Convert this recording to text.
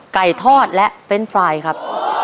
ไก่ทอดและเป็นไฟล์ครับ